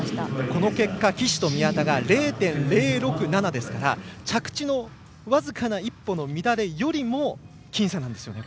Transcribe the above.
この結果、岸と宮田が０．０６７ですから着地の僅かな１歩の乱れよりも僅差なんですよね。